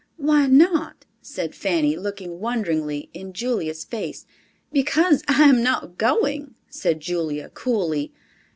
"Why not?" said Fanny, looking wonderingly in Julia's face. "Because I am not going," said Julia coolly.